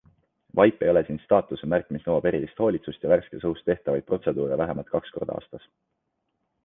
Vaip ei ole siin staatuse märk, mis nõuab erilist hoolitsust ja värskes õhus tehtavaid protseduure vähemalt kaks korda aastas.